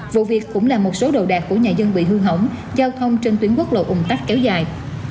vụ việc cũng làm một số đồ đạc của nhà dân bị hư hỏng giao thông trên tuyến quốc lộ ung tắc kéo dài